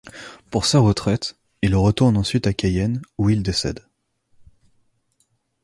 Pour sa retraite, il retourne ensuite à Cayenne où il décède.